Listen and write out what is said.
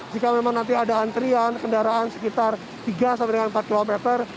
jika memang nanti ada antrian kendaraan sekitar tiga sampai dengan empat kilometer